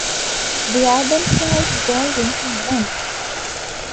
The album sold gold in Finland.